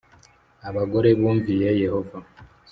abagore bumviye Yehova